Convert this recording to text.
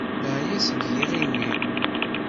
Neεya seg yiɣimi.